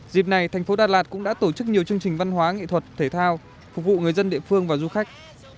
dịp này thành phố đà lạt cũng đã tổ chức nhiều chương trình văn hóa nghệ thuật thể thao phục vụ người dân địa phương và du khách